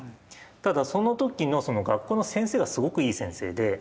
ただその時の学校の先生がすごくいい先生で。